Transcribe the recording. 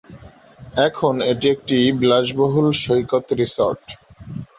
এখন এটি একটি বিলাসবহুল সৈকত রিসর্ট।